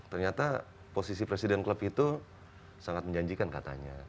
ternyata posisi presiden klub itu sangat menjanjikan katanya